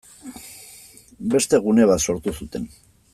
Beste gune bat sortu zuten.